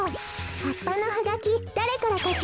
はっぱのハガキだれからかしら？